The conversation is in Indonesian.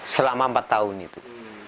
selama empat tahun itu